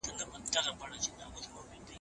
هر څوک باید خپل رول په ښه توګه ولوبوي.